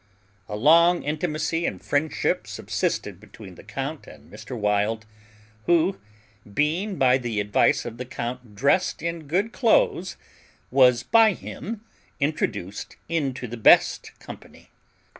A long intimacy and friendship subsisted between the count and Mr. Wild, who, being by the advice of the count dressed in good cloaths, was by him introduced into the best company.